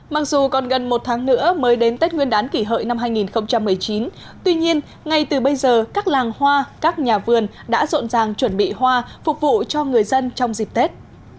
mặc dù còn gần một tháng nữa mới đến tết nguyên đán kỷ hợi năm hai nghìn một mươi chín tuy nhiên ngay từ bây giờ các làng hoa các nhà vườn đã rộn ràng chuẩn bị hoa phục vụ cho người dân trong dịp tết